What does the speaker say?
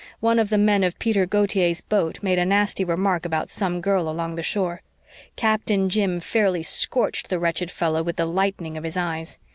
One of the men of Peter Gautier's boat made a nasty remark about some girl along the shore. Captain Jim fairly scorched the wretched fellow with the lightning of his eyes.